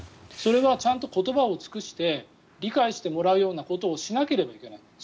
それはちゃんと言葉を尽くして理解してもらうようなことをしなくちゃいけない。